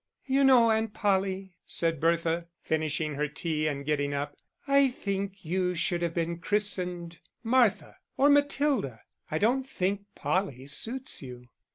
"You know, Aunt Polly," said Bertha, finishing her tea and getting up, "I think you should have been christened Martha or Matilda. I don't think Polly suits you."